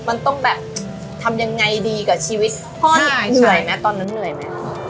มันต้องแบบทำยังไงดีกับชีวิตพ่อเหนื่อยไหมตอนนั้นเหนื่อยไหม